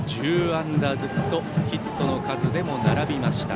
１０安打ずつとヒットの数でも並びました。